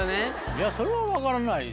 いやそれは分からないですよ。